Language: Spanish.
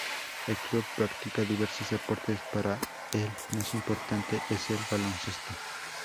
El club practica diversos deportes, pero el más importante es el baloncesto.